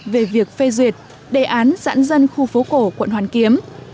về việc phê duyệt đề án giãn dân khu phố cổ quận hoàn kiếm